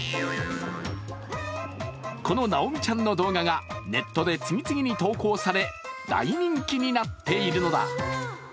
このなおみちゃんの動画がネットで次々に投稿され大人気になっているのだ。